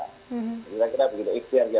kita berkira kira begitu ikhtiar kita